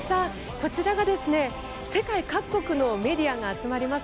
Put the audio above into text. こちらが世界各国のメディアが集まります